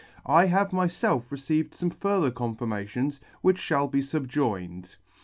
I have myfelf received fome further confirmations, which lhall be fubjoined.